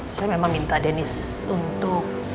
saya memang minta denis untuk